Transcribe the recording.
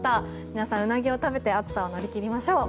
皆さん、ウナギを食べて暑さを乗り切りましょう。